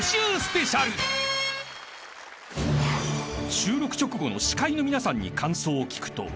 ［収録直後の司会の皆さんに感想を聞くと］